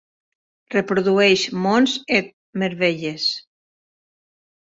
Reprodueix Monts Et Merveilles.